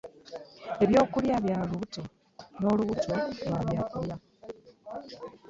Ebyokulya bya lubuto n'olubuto lwa byakulya.